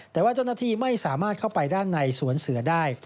แต่ว่าเจ้าหน้าที่ไม่สามารถเข้าไปด้านในสวนเสือได้